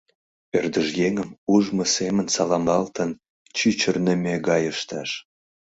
Ӧрдыж еҥым ужмо семын саламлалтын чӱчырнымӧ гай ыштыш.